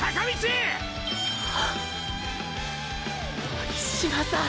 巻島さん。